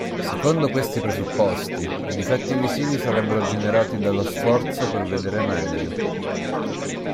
Secondo questi presupposti, i difetti visivi sarebbero generati dallo "sforzo per vedere meglio".